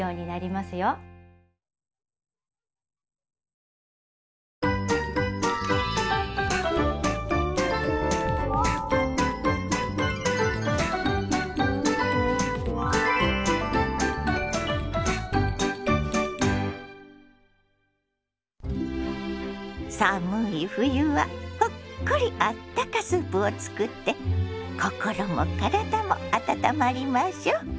親子で寒い冬はほっこりあったかスープを作って心も体も温まりましょ。